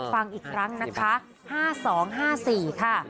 ฟังอีกครั้งนะคะ๕๒๕๔ค่ะ